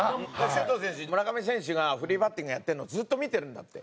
周東選手村上選手がフリーバッティングやってるのずっと見てるんだって。